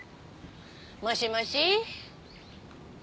もしもし？